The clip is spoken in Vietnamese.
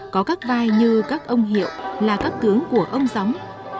có các vai như các ông hiệu là các tướng của ông gióng